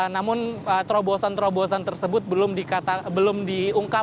namun terobosan terobosan tersebut belum diungkap